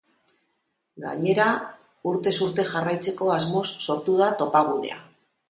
Gainera, urtez urte jarraitzeko asmoz sortu da topagunea.